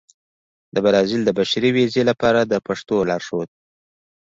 د برازيل د بشري ویزې لپاره د پښتو لارښود